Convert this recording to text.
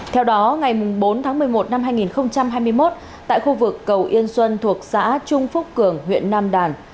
theo đó ngày bốn tháng một mươi một năm hai nghìn hai mươi một tại khu vực cầu yên xuân thuộc xã trung phúc cường huyện nam đàn